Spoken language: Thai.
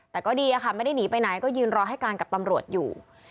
แต่ก็ดีอะค่ะไม่ได้หนีไปไหนก็ยืนรอให้การกับตำรวจอยู่